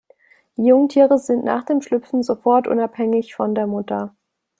Die Jungtiere sind nach dem schlüpfen sofort unabhängig von der Mutter.